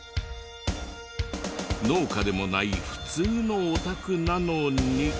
農家でもない普通のお宅なのに。